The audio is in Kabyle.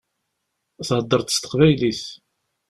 Theddṛeḍ s teqbaylit.